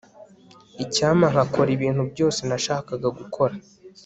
icyampa nkakora ibintu byose nashakaga gukora